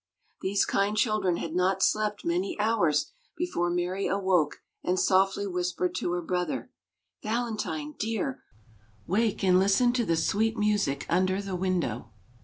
These kind children had not slept many hours before Mary awoke and softly whispered to her brother: "Valentine, dear, wake, and listen to the sweet music under the window."